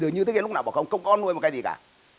như thế kia lúc nào bỏ không không có nuôi một cây gì cả